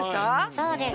そうです。